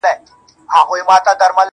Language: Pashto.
الوتني کوي~